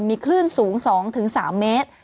มีขึ้นสูง๒๓เมตร